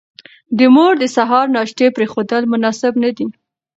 د مور د سهار ناشتې پرېښودل مناسب نه دي.